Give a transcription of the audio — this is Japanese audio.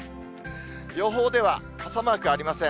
予報では傘マークありません。